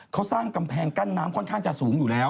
เขาสร้างกำแพงกั้นน้ำค่อนข้างจะสูงอยู่แล้ว